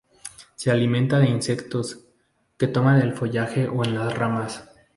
Se alimenta de insectos, que toma del follaje o en las ramas.